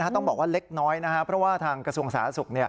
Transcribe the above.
ต้องบอกว่าเล็กน้อยนะครับเพราะว่าทางกระทรวงสาธารณสุข